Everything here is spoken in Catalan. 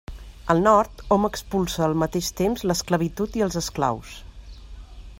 Al Nord hom expulsa al mateix temps l'esclavitud i els esclaus.